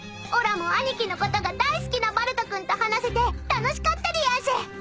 おらも兄貴のことが大好きなバルト君と話せて楽しかったでやんす。